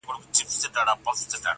زما یې مات کړل په یوه ګوزار هډوکي -